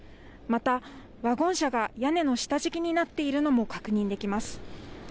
またワゴン車が屋根の下敷きになっているのも確認できます。